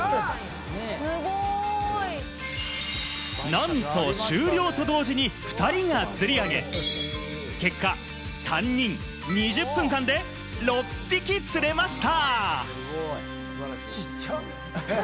なんと終了と同時に２人が釣り上げ、結果３人、２０分間で６匹釣れました！